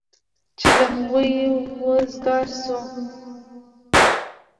چې له هغوی وزګار شو.